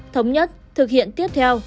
thống nhất thực hiện tiếp theo